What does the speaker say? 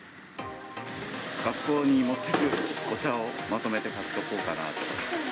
学校に持っていくお茶をまとめて買っておこうかなと。